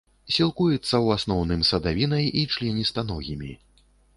Сілкуецца ў асноўным садавінай і членістаногімі.